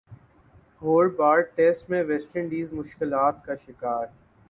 Hobart test میں West Indies مشکلات کا شکار